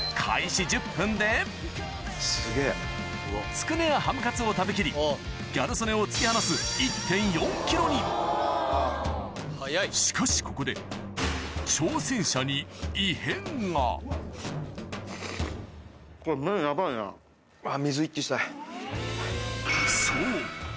つくねやハムカツを食べ切りギャル曽根を突き放すしかしここでそうえっ。